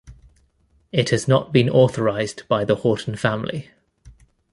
It has not been authorized by the Haughton family.